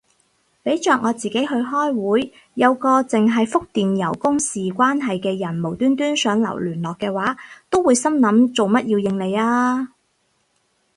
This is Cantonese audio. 俾着我自己去開會，有個剩係覆電郵公事關係嘅人無端端想留聯絡嘅話，都會心諗做乜要應你啊